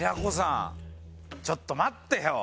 ちょっと待ってよ！